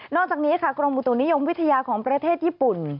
อกจากนี้ค่ะกรมอุตุนิยมวิทยาของประเทศญี่ปุ่น